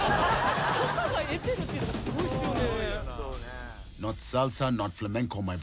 許可得てるっていうのがスゴいですよね。